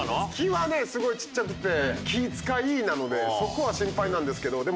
気はねすごいちっちゃくて気ぃ使いなのでそこは心配なんですけど。